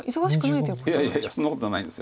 いやいやそんなことないんです。